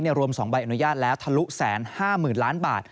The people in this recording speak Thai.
ในรอบนี้รวม๒ใบอนุญาตและทะลุแสนห้าหมื่นล้านบาท